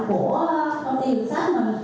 của công ty thông sách